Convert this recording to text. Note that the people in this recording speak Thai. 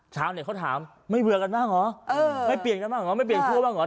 เช้าเน็ตเขาถามไม่เวือกันบ้างหรอไม่เปลี่ยนกันบ้างหรอไม่เปลี่ยนพวกบ้างหรอ